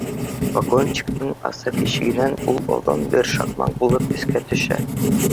Вагончиктың асыҡ ишегенән ул оҙон бер шаҡмаҡ булып эскә төшә